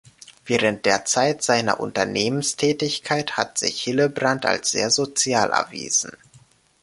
Während der Zeit seiner Unternehmenstätigkeit hat sich Hillebrand als sehr sozial erwiesen.